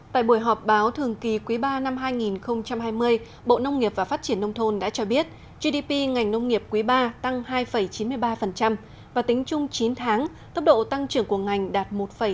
tại buổi họp báo thường kỳ quý ba năm hai nghìn hai mươi bộ nông nghiệp và phát triển nông thôn đã cho biết gdp ngành nông nghiệp quý ba tăng hai chín mươi ba và tính chung chín tháng tốc độ tăng trưởng của ngành đạt một ba mươi